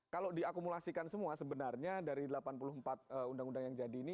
kalau diakumulasikan semua sebenarnya dari delapan puluh empat undang undang yang jadi ini